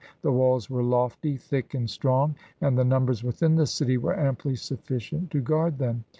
The walls were lofty, thick, and strong, and the numbers within the city were amply sufficient to guard them.